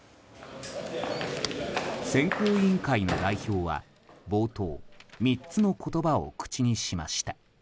選考委員会の代表は冒頭３つの言葉を口にしました。